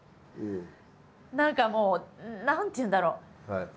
何かもう何ていうんだろう。